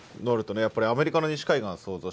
やっぱりアメリカの西海岸想像しますけど。